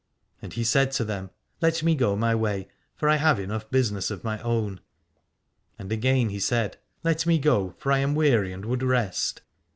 And he said to them : Let me go my way, for I have enough business of my own. And again he said : Let me go, for I am weary and would rest.